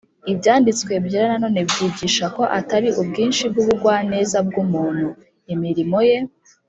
Ibyanditswe Byera na none byigisha ko atari ubwinshi bw'ubugwaneza bw'umuntu, imirimo ye,